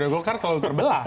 golkar selalu terbelah